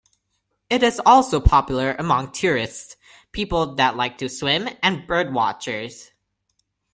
It is also popular among tourists, people that like to swim and bird watchers.